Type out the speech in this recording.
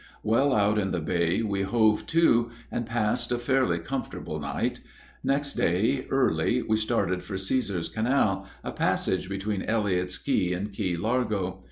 Well out in the bay we hove to, and passed a fairly comfortable night; next day early we started for Cæsar's Canal, a passage between Elliott's Key and Key Largo.